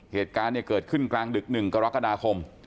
เหตุการณ์เกิดขึ้นกลางดึก๑กรกฎาคม